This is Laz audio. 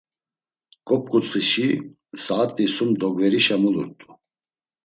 Gop̆k̆utsxişi saat̆i sum dogverişa mulurt̆u.